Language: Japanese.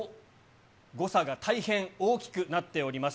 誤差が大変大きくなっております。